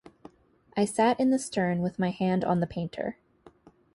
I sat in the stern with my hand on the painter.